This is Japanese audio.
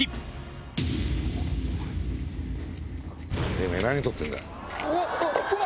てめぇ何撮ってんだ？